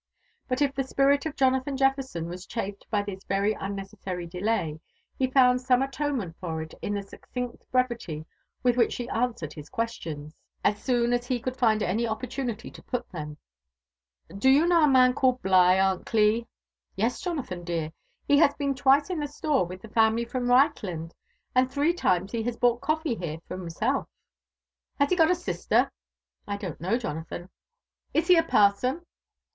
But if the spirit of Jonatbap Jefferson was chafed by thia Yery un necessary delay, he found some atouement for it in the aucciocl brevity which which she answered his questions, as soon as he could find aa opportunity (o put them '' Do you know a man galled BUgh, Aunt^ C\i?" *' Yes, Jonathan dear ; he has beco) twice in the stor^ with the Caniily from Reichkmda ^M ^iree tipoi!^ he has bought ooffee here for biawidf/' ''Pashegota£iister?" '' I don't know, Jonathan." '* Is h^ a parson?"